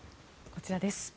こちらです。